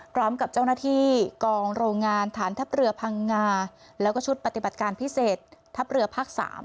พร้อมกับเจ้าหน้าที่กองโรงงานฐานทัพเรือพังงาแล้วก็ชุดปฏิบัติการพิเศษทัพเรือภาค๓